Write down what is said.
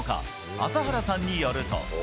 朝原さんによると。